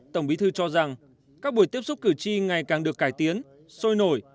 tổng bí thư cho rằng các buổi tiếp xúc cử tri ngày càng được cải tiến sôi nổi